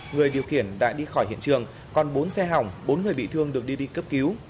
người điều khiển đã đi khỏi hiện trường còn bốn xe hỏng bốn người bị thương được đi đi cấp cứu